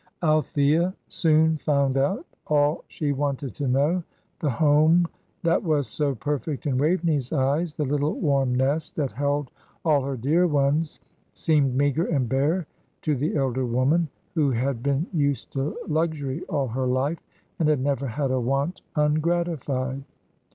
Althea soon found out all she wanted to know: the home that was so perfect in Waveney's eyes, the little warm nest that held all her dear ones, seemed meagre and bare to the elder woman, who had been used to luxury all her life, and had never had a want ungratified.